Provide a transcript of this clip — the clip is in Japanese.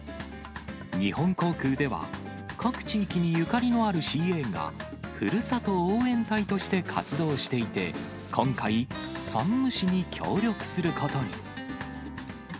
日本航空では、各地域にゆかりのあるＣＡが、ふるさと応援隊として活動していて、今回、山武市に協力することに。